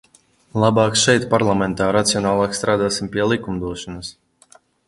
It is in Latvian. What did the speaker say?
Labāk šeit, parlamentā, racionālāk strādāsim pie likumdošanas!